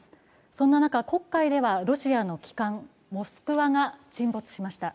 そんな中、黒海ではロシアの旗艦モ「モスクワ」が沈没しました。